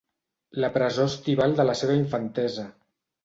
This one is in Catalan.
La presó estival de la seva infantesa.